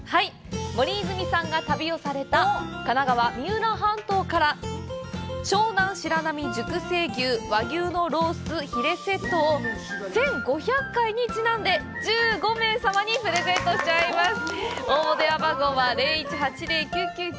森泉さんが旅をされた神奈川・三浦半島から、「湘南しらなみ熟成牛和牛のロース＆ヒレセット」を１５００回にちなんで、１５名様にプレゼントします。